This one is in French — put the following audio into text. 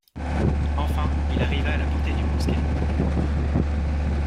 Enfin, il arriva à la portée du mousquet.